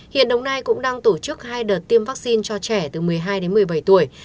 hiện đồng nai cũng đang tổ chức hai đợt tiêm vaccine cho trẻ từ một mươi hai đến một mươi bảy tuổi